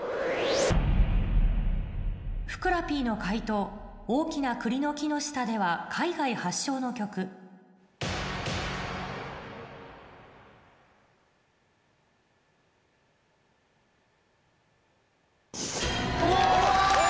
ふくらＰの解答『大きな栗の木の下で』は海外発祥の曲お！